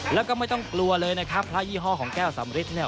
แล้วก็ไม่ต้องกลัวเลยนะครับพระยี่ห้อของแก้วสำริทเนี่ย